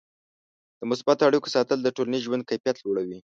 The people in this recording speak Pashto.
د مثبتو اړیکو ساتل د ټولنیز ژوند کیفیت لوړوي.